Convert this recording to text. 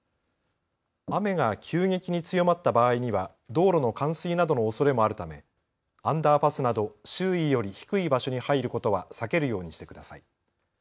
雨が急激に強まった場合には道路の冠水などのおそれもあるためアンダーパスなど周囲より低い場所に入ることは避けるようにしてください。